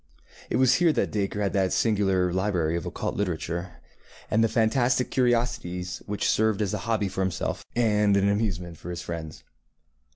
It was here that Dacre had that singular library of occult literature, and the fantastic curiosities which served as a hobby for himself, and an amusement for his friends.